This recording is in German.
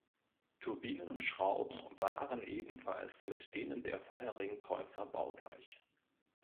Turbinen und Schrauben waren ebenfalls mit denen der vorherigen Kreuzer baugleich.